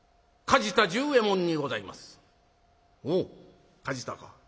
「おう梶田か。